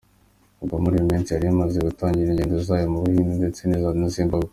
Ubwo muri iyi minsi yari imaze gutangira ingendo zayo mu Buhinde ndetse na Zimbabwe.